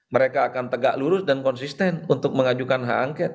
mereka akan tegak lurus dan konsisten untuk mengajukan hak angket